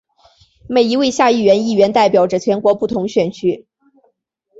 每一位下议院议员代表着全国不同选区。